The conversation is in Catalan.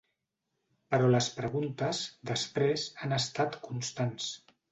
Però les preguntes, després, han estat constants.